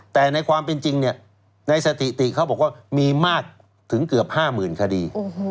แต่ในความเป็นจริงในสถิติเขาบอกว่ามีมากถึงเกือบ๕๐๐๐คดี